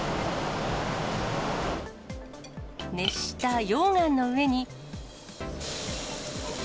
熱した溶岩の上に。